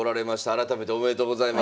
改めておめでとうございます。